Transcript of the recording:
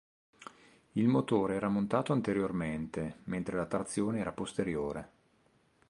Il motore era montato anteriormente, mentre la trazione era posteriore.